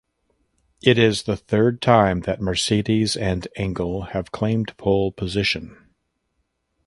It is the third time that Mercedes and Engel have claimed pole position.